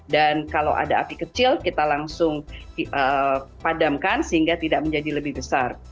dan kalau ada api kecil kita langsung padamkan sehingga tidak menjadi lebih besar